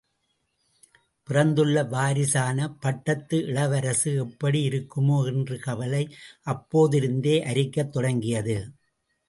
பிறந்துள்ள வாரிசான பட்டத்து இளவரசு எப்படி இருக்குமோ என்ற கவலை அப்போதிருந்தே அரிக்கத் தொடங்கியது.